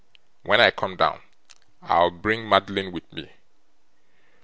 When I come down, I'll bring Madeline with me.